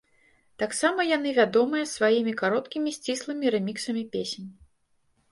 Таксама яны вядомыя сваімі кароткімі сціслымі рэміксамі песень.